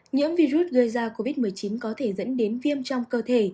nhiễm virus gây ra covid một mươi chín có thể dẫn đến viêm trong cơ thể